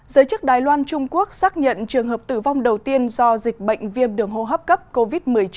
giới chức đài loan trung quốc xác nhận trường hợp tử vong đầu tiên do dịch bệnh viêm đường hô hấp cấp covid một mươi chín